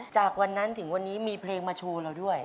จากวันนั้นถึงวันนี้มีเพลงมาโชว์เราด้วย